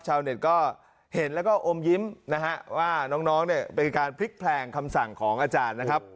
ชาวเน็ตก็เห็นแล้วก็อมยิ้มนะฮะว่าน้องเนี่ยเป็นการพลิกแพลงคำสั่งของอาจารย์นะครับ